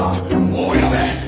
もうやめ！